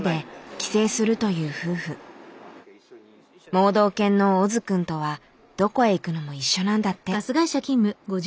盲導犬のオズ君とはどこへ行くのも一緒なんだって。